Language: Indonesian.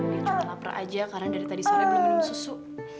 dia cuma lapar aja karena dari tadi sore belum minum susu